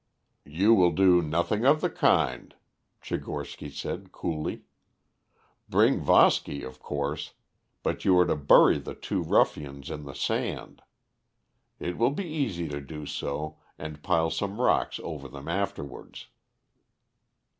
"You will do nothing of the kind," Tchigorsky said coolly. "Bring Voski, of course, but you are to bury the two ruffians in the sand. It will be easy to do so, and pile some rocks over them afterwards."